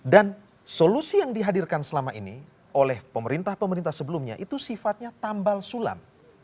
dan solusi yang dihadirkan selama ini oleh pemerintah pemerintah sebelumnya itu sifatnya tambal sulam